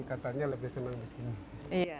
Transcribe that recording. katanya lebih senang di sini